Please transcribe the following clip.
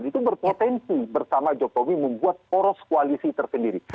jadi berpotensi bersama jokowi membuat poros koalisi tersendiri